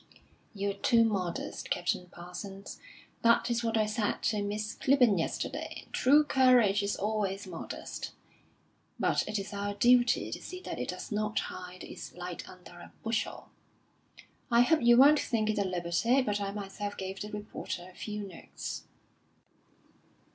"You're too modest, Captain Parsons. That is what I said to Miss Clibborn yesterday; true courage is always modest. But it is our duty to see that it does not hide its light under a bushel. I hope you won't think it a liberty, but I myself gave the reporter a few notes."